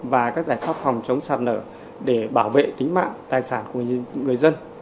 và các giải pháp phòng chống sạt lở để bảo vệ tính mạng tài sản của người dân